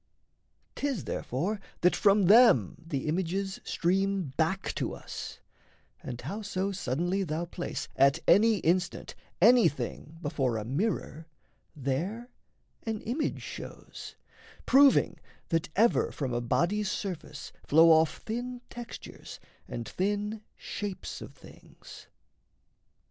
'Tis therefore that from them the images Stream back to us; and howso suddenly Thou place, at any instant, anything Before a mirror, there an image shows; Proving that ever from a body's surface Flow off thin textures and thin shapes of things.